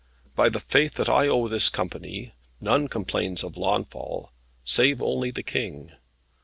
By the faith that I owe this company, none complains of Launfal, save only the King.